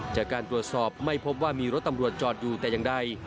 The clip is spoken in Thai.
จากการตรวจสอบไม่พบว่ามีรถตำรวจจอดอยู่แต่อย่างใด